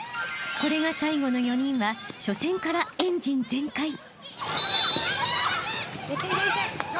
［これが最後の４人は初戦からエンジン全開］